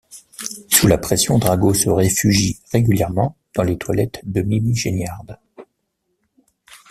Sous la pression, Drago se réfugie régulièrement dans les toilettes de Mimi Geignarde.